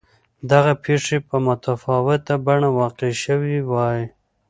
دغه پېښې په متفاوته بڼه واقع شوې وای.